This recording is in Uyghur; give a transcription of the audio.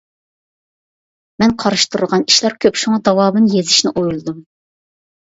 مەن قارشى تۇرىدىغان ئىشلار كۆپ شۇڭا داۋامىنى يېزىشنى ئويلىدىم.